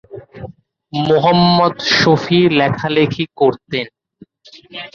মুহাম্মদ শফী লেখালেখি করতেন।